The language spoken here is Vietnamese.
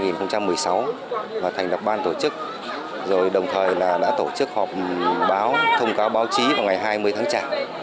năm hai nghìn một mươi sáu thành lập ban tổ chức đồng thời đã tổ chức họp báo thông cáo báo chí vào ngày hai mươi tháng trả